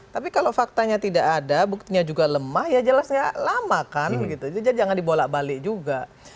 tapi kalau faktanya tidak ada buktinya juga lemah ya jelasnya lama kan jangan dibolak balik juga